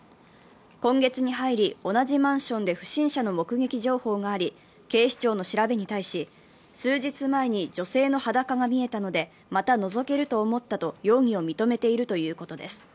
今月に入り、同じマンションで不審者の目撃情報があり、警視庁の調べに対し、数日前に女性の裸が見えたのでまたのぞけると思ったと容疑を認めているということです。